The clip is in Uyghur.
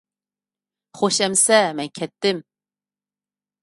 خوش ئەمىسە، مەن كەتتىم!